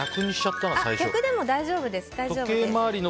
逆でも大丈夫です。